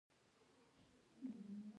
په یو شي باندې شک کول